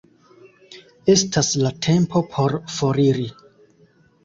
Estas la tempo por foriri.